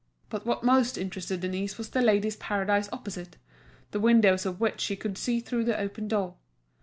But what most interested Denise was The Ladies' Paradise opposite, the windows of which she could see through the open door.